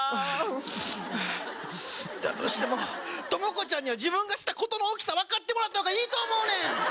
だとしてもトモコちゃんには自分がした事の大きさわかってもらった方がいいと思うねん！